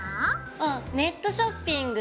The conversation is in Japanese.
あっネットショピング。